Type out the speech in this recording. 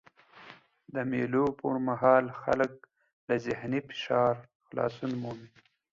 د مېلو پر مهال خلک له ذهني فشار خلاصون مومي.